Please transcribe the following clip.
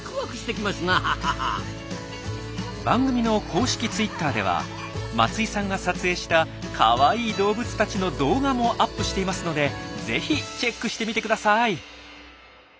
番組の公式ツイッターでは松井さんが撮影したカワイイ動物たちの動画もアップしていますのでぜひチェックしてみてください。